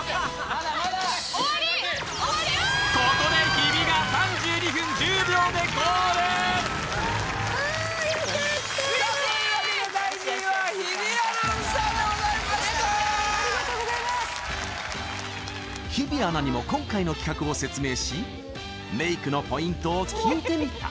・ありがとうございます日比アナにも今回の企画を説明しメイクのポイントを聞いてみた